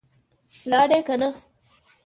لاړې که نه؟